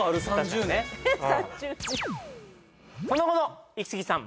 ３０年その後のイキスギさん